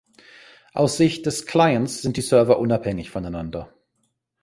Aus Sicht des Clients sind die Server unabhängig voneinander.